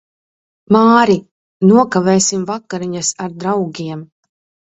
Māri, nokavēsim vakariņas ar draugiem.